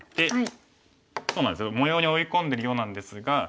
そうなんですよ模様に追い込んでるようなんですが。